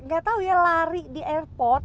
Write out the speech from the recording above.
gak tau ya lari di airport